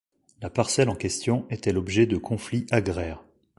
La parcelle en question était l'objet de conflit agraire.